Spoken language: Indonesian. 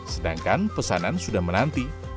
sedangkan pesanan sudah menanti